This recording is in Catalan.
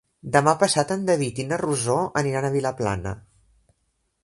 Demà passat en David i na Rosó aniran a Vilaplana.